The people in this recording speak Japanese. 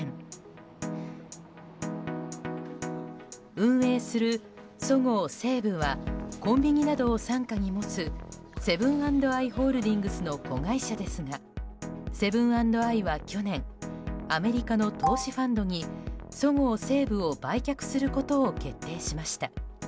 運営するそごう・西武はコンビニなどを傘下に持つセブン＆アイ・ホールディングスの子会社ですがセブン＆アイは去年アメリカの投資ファンドにそごう・西武を売却することを決定しました。